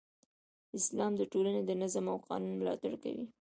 اسلام د ټولنې د نظم او قانون ملاتړ کوي.